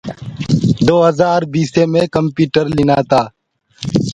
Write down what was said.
دو هجآر بيسي مي يو ڪمپيوٽر لينآ تآ۔